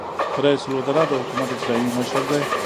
رئیس الوزرا د حکومت اجرائیوي مشر دی